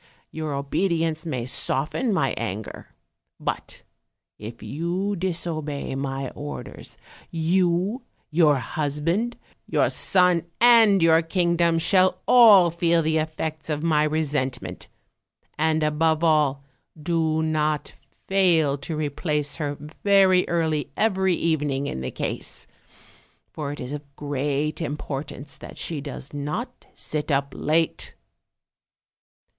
Your obedience may soften my anger; but if you disobey my orders, you, your husband, your son and your kingdom, shall all feel the effects of my re sentment; and above all do not fail to replace her very early every evening in the case, for it is of great impor tance that she does not sit up late."